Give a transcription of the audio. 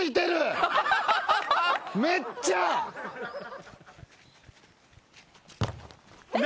めっちゃ！何？